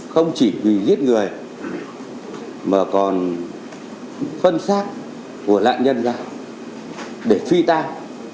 không chỉ vì giết người mà còn phân xác của lạ nhân ra để phi tang